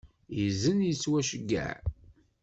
Izen yettwaceyyeɛ.